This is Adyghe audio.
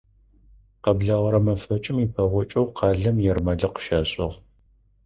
Къэблэгъэрэ мэфэкӀым ипэгъокӀэу къалэм ермэлыкъ щашӀыгъ.